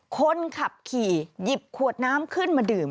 คนขับขี่หยิบขวดน้ำขึ้นมาดื่ม